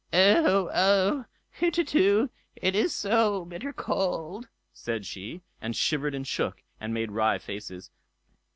"Oh, oh! hutetu! it is so bitter cold", said she, and shivered and shook, and made wry faces.